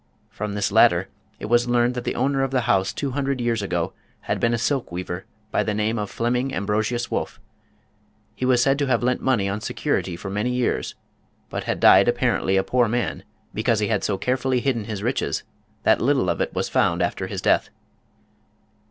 From this latter it was learned that the owner of the house two hundred years ago had been a silk weaver by the name of Flemming Ambrosius Wolff. He was said to have lent money on security for many years, but had died apparently a poor man, because he had so carefully hidden his riches that little of it was found after 'his death.